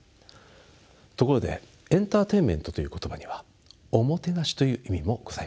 ところでエンターテインメントという言葉にはおもてなしという意味もございます。